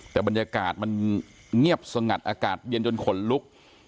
แต่บรรยากาศมันเงียบสงัดอากาศเย็นจนขนลุก